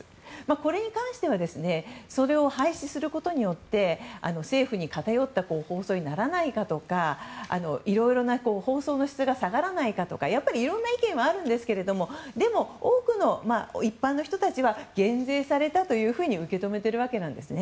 これに関してはそれを廃止することによって政府に偏った放送にならないかとかいろいろな放送の質が下がらないかとかいろんな意見はあるんですけどでも、多くの一般の人たちは減税されたというふうに受け止めているわけです。